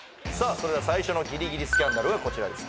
それでは最初のギリギリスキャンダルがこちらです